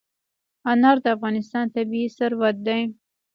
انار د افغانستان طبعي ثروت دی.